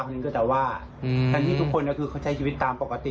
คนนั้นก็จะว่าแต่ที่ทุกคนนะคือเขาใช้ชีวิตตามปกติ